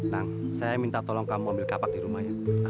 nah saya minta tolong kamu ambil kapak di rumah ya